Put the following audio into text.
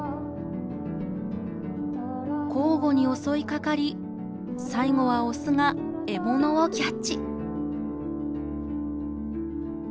交互に襲いかかり最後はオスが獲物をキャッチ。